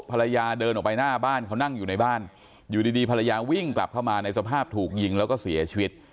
ภรรยาเดินออกไปหน้าบ้านเขานั่งอยู่ในบ้านอยู่ดีภรรยาวิ่งกลับเข้ามาในสภาพถูกยิงแล้วก็เสียชีวิต